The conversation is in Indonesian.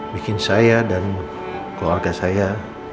bikin saya dan keluarga saya